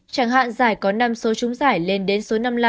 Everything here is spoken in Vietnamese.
chẳng hạn giải có năm số chúng giải lên đến số năm mươi năm